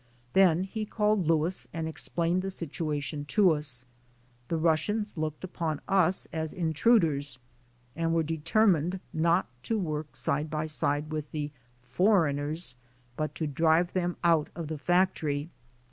Then he called Louis and explained the sit uation to us. The Russians looked upon us as in truders and were determined not to work side by side with "the foreigners," but to drive them out of the factory.